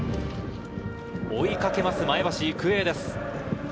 追いかけます、前橋育英です。